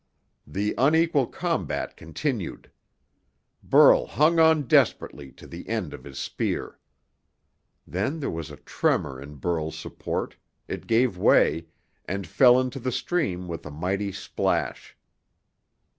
The unequal combat continued. Burl hung on desperately to the end of his spear. Then there was a tremor in Burl's support, it gave way, and fell into the stream with a mighty splash.